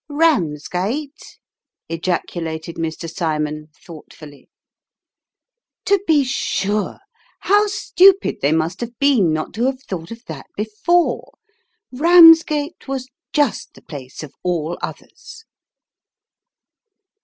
"Eamsgate?" ejaculated Mr. Cymon, thoughtfully. To be sure; how stupid they must have been, not to have thought of that before ! Eamsgate was just the place of all others.